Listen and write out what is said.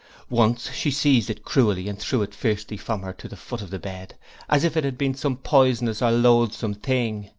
Once she seized it cruelly and threw it fiercely from her to the foot of the bed, as if it had been some poisonous or loathsome thing.